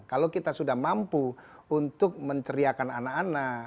kalau kita sudah mampu untuk menceriakan anak anak